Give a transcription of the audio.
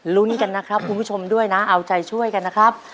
ลุ้นกันนะครับคุณผู้ชมด้วยนะเอาใจช่วยกันนะครับ